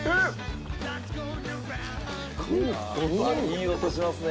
いい音しますね。